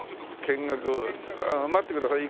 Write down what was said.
見学待ってください。